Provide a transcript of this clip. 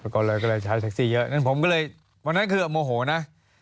ก็เลยใช้แท็กซี่เยอะนั้นผมก็เลยวันนั้นคือโมโหนะ